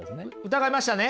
疑いましたね？